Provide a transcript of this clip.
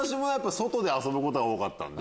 外で遊ぶことが多かったんで。